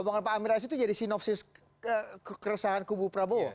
jadi pak amir rasyid itu jadi sinopsis keresahan kubu prabowo